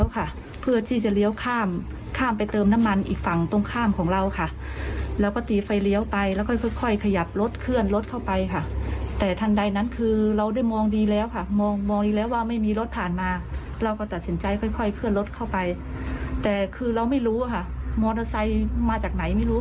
คือเราไม่รู้ค่ะมอเตอร์ไซค์มาจากไหนไม่รู้